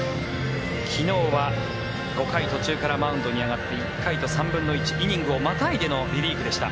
昨日は５回途中からマウンドに上がって１回と３分の１イニングをまたいでのリリーフでした。